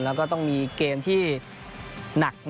แล้วก็ต้องมีเกมที่หนัก